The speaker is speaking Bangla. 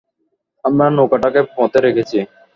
আমরা নৌকাটাকে পথে রেখেছি।